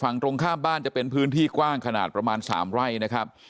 ตรงข้ามบ้านจะเป็นพื้นที่กว้างขนาดประมาณ๓ไร่นะครับ